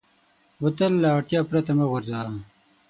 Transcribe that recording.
بوتل له اړتیا پرته مه غورځوه.